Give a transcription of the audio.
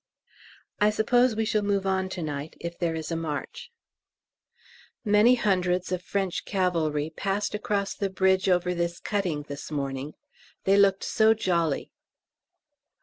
I suppose we shall move on to night if there is a marche. Many hundreds of French cavalry passed across the bridge over this cutting this morning: they looked so jolly.